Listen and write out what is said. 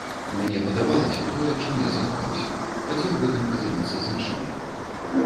Мне падабалася тое, чым я займаюся, хацеў гэтым падзяліцца з іншымі.